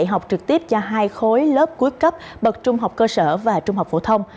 học trực tiếp cho hai khối lớp cuối cấp bậc trung học cơ sở và trung học phổ thông